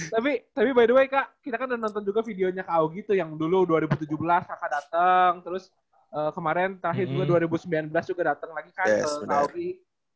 tapi tapi by the way kak kita kan udah nonton juga videonya kak ao gitu yang dulu dua ribu tujuh belas kakak datang terus kemarin terakhir gue dua ribu sembilan belas juga datang lagi kan ke naufri